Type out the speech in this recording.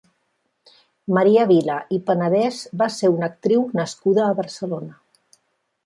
Maria Vila i Panadès va ser una actriu nascuda a Barcelona.